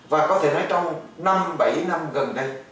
và có thể nói trong năm bảy năm gần đây